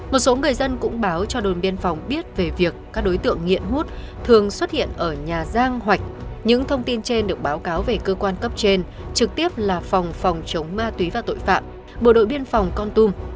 một số người dân cũng báo cho đồn biên phòng biết về việc các đối tượng nghiện hút thường xuất hiện ở nhà giang hoạch những thông tin trên được báo cáo về cơ quan cấp trên trực tiếp là phòng phòng chống ma túy và tội phạm bộ đội biên phòng con tum